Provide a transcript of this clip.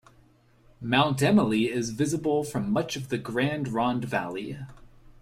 Mount Emily is visible from much of the Grande Ronde Valley.